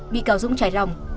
bị cáo dũng trải lòng